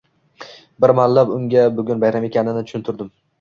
Bir amallab unga bugun bayram ekanini tushuntirdim